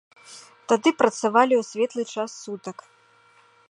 Тады працавалі ў светлы час сутак.